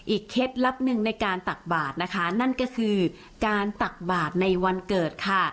เคล็ดลับหนึ่งในการตักบาทนะคะนั่นก็คือการตักบาทในวันเกิดค่ะ